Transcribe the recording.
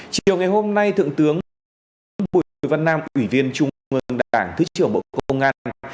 chiều ngày hôm nay thượng tướng bùi văn nam ủy viên trung ương đảng thứ trưởng bộ công an